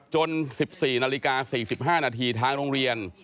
๑๔นาฬิกา๔๕นาทีทางโรงเรียน